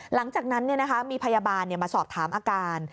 หลังจากนั้นเนี่ยนะคะมีพยาบาลมาสอบถามอาการ